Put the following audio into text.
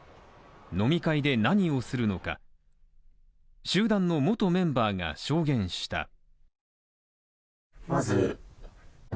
飲み会で何をするのか、集団の元メンバーが証言した。